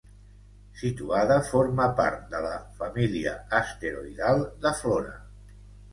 Situada forma part de la família asteroidal de Flora.